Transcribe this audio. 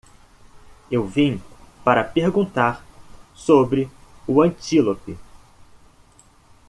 Eu vim para perguntar sobre o antílope.